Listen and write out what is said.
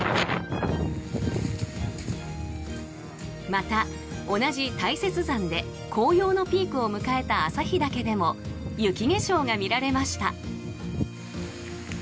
また、同じ大雪山で紅葉のピークを迎えた旭岳でも雪化粧が見られました。